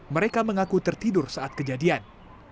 mereka mengaku tertidur saat kejadian